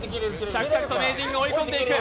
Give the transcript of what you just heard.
着々と名人が追い込んでいく。